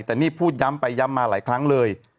แต่นี่พูดย้ำไปย้ำมาหลายครั้งเลย